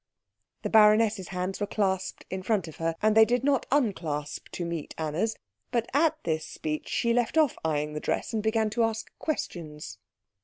The baroness's hands were clasped in front of her, and they did not unclasp to meet Anna's; but at this speech she left off eyeing the dress, and began to ask questions.